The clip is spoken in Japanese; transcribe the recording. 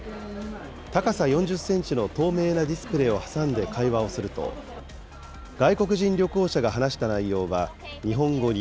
高さ４０センチの透明なディスプレーを挟んで会話をすると、外国人旅行者が話した内容は日本語に、